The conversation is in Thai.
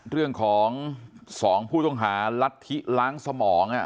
เรื่องของ๒ผู้ต้องหาลัทธิล้างสมอง